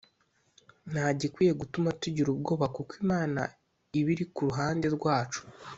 nta gikwiye gutuma tugira ubwoba kuko Imana iba iri ku ruhande rwacu